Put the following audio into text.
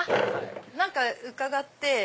何か伺って。